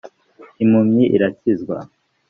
impumyi irakizwa.